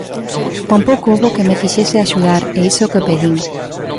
Tampouco houbo quen me quixese axudar e iso que o pedín.